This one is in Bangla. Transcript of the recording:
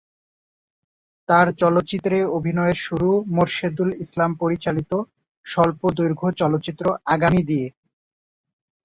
তার চলচ্চিত্রে অভিনয়ের শুরু মোরশেদুল ইসলাম পরিচালিত স্বল্পদৈর্ঘ্য চলচ্চিত্র "আগামী" দিয়ে।